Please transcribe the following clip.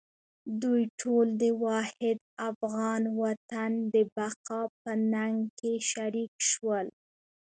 دوی ټول د واحد افغان وطن د بقا په ننګ کې شریک شول.